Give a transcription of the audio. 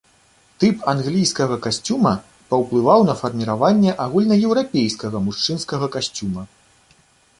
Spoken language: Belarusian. Тып англійскага касцюма паўплываў на фарміраванне агульнаеўрапейскага мужчынскага касцюма.